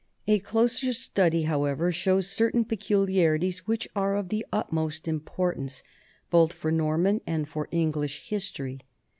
A closer study, however, shows certain peculiarities which are of the utmost importance, both for Norman and for English history.